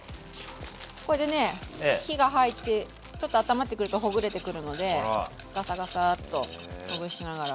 これでね火が入ってちょっとあったまってくるとほぐれてくるのでガサガサーッとほぐしながら。